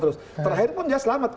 terakhir pun dia selamat